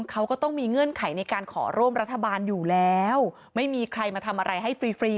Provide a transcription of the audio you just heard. เขาก็ต้องมีเงื่อนไขในการขอร่วมรัฐบาลอยู่แล้วไม่มีใครมาทำอะไรให้ฟรีฟรี